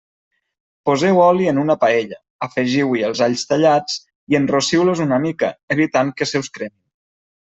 Poseu oli en una paella, afegiu-hi els alls tallats i enrossiu-los una mica, evitant que se us cremin.